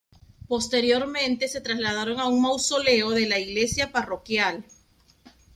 Posteriormente se trasladaron a un mausoleo de la iglesia parroquial.